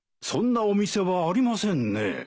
そんなお店はありませんね。